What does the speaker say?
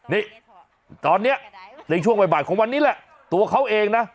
นี่ตอนนี้ในช่วงบ่ายของวันนี้แหละตัวเขาเองนะ